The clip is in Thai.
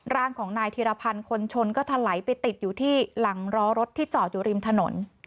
ร่างของนายธีรพันธ์คนชนก็ถลายไปติดอยู่ที่หลังล้อรถที่จอดอยู่ริมถนน